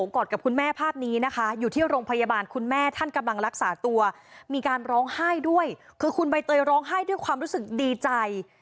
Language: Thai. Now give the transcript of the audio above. ก็มีการร้องไห้ด้วยคือคุณใบเตยร้องไห้ด้วยความรู้สึกดีใจ